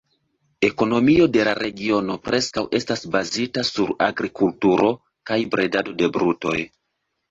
Ekonomio de la regiono preskaŭ estas bazita sur agrikulturo kaj bredado de brutoj.